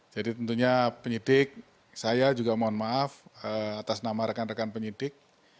jadi tentunya penyidik saya juga mohon maaf atas nama rekan rekan penyidik